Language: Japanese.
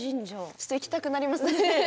ちょっと行きたくなりますね。